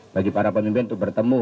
bagi para pemimpin untuk bertemu